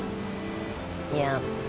いや。